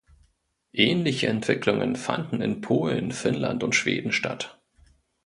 Ähnliche Entwicklungen fanden in Polen, Finnland und Schweden statt.